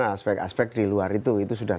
aspek aspek di luar itu itu sudah